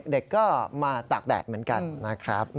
เด็กก็มาตากแดดเหมือนกันนะครับ